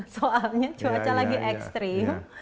soalnya cuaca lagi ekstrim